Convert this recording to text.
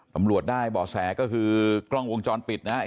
ตำรวจได้บ่อแสก็คือกล้องวงจรปิดนะครับ